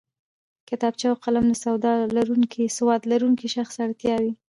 کتابچه او قلم د سواد لرونکی شخص اړتیا وي